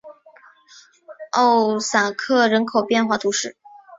奥萨克人口变化图示